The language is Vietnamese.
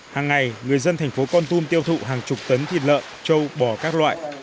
hàng ngày người dân thành phố con tum tiêu thụ hàng chục tấn thịt lợn châu bò các loại